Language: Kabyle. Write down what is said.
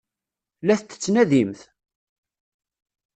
La t-tettnadimt?